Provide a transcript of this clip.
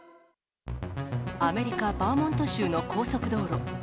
アメリカ・バーモント州の高速道路。